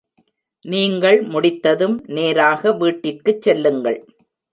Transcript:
நீங்கள் முடித்ததும், நேராக வீட்டிற்குச் செல்லுங்கள்.